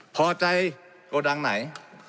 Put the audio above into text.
พอใจโกดังไหน